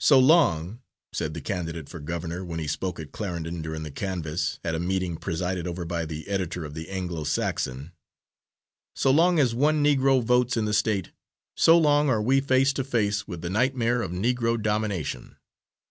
"So long," said the candidate for governor, when he spoke at Clarendon during the canvas, at a meeting presided over by the editor of the Anglo Saxon, "so long as one Negro votes in the State, so long are we face to face with the nightmare of Negro domination.